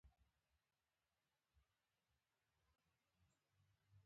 د چاپېریال ساتنه د دوامدار اقتصاد لپاره اړینه ده.